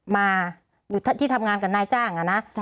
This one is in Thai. มาอยู่ที่ทำงานกับนายจ้างอะนะ